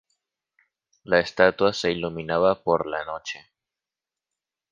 La estatua se iluminaba por la noche.